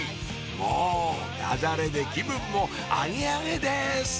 もうダジャレで気分もアゲアゲです！